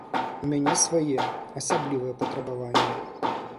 У мяне свае, асаблівыя патрабаванні.